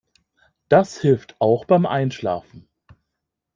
Das hilft auch beim Einschlafen.